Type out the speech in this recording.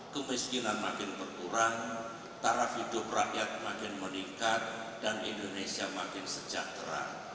kemiskinan makin berkurang taraf hidup rakyat makin meningkat dan indonesia makin sejahtera